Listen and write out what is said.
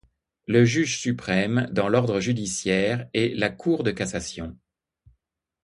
Le juge suprême dans l’ordre judiciaire est la Cour de cassation.